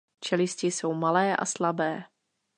Čelisti jsou malé a slabé.